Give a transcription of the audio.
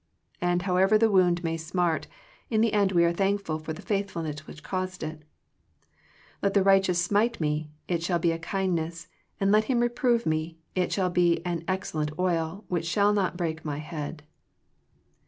And however the wound may smart, in the end we are thankful for the faithfulness which caused it "Let the righteous smite me; it shall be a kindness: and let him reprove me; it shall be an excellent oil, which shall not break my head."